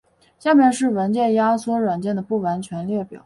下面是文件压缩软件的不完全列表。